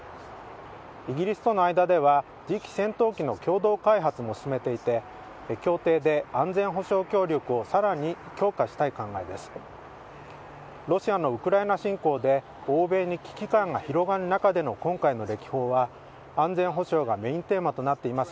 イギリスとの間では次期戦闘機の共同開発も進めていて協定で安全保障協力をさらに強化したい考えです。